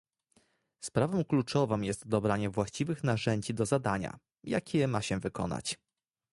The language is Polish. Sprawą kluczową jest dobranie właściwych narzędzi do zadania, jakie ma się wykonać